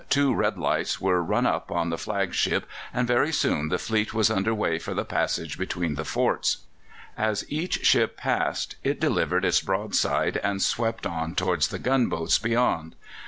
two red lights were run up on the flag ship, and very soon the fleet was under way for the passage between the forts. As each ship passed it delivered its broadside and swept on towards the gunboats beyond.